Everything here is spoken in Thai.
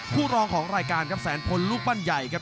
รองของรายการครับแสนพลลูกบ้านใหญ่ครับ